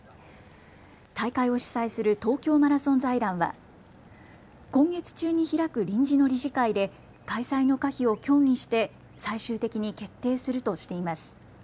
大会を主催する東京マラソン財団は今月中に開く臨時の理事会で開催の可否を協議して最終的に決定するとしています。